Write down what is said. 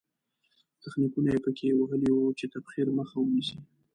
تخنیکونه یې په کې وهلي وو چې تبخیر مخه ونیسي.